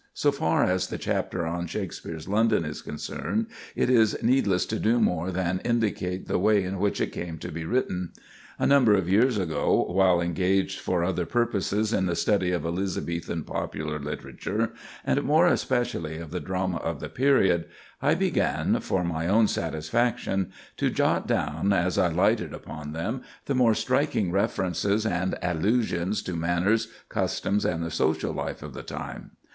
So far as the chapter on Shakspere's London is concerned, it is needless to do more than indicate the way in which it came to be written. A number of years ago, while engaged for other purposes in the study of Elizabethan popular literature, and more especially of the drama of the period, I began, for my own satisfaction, to jot down, as I lighted upon them, the more striking references and allusions to manners, customs, and the social life of the time.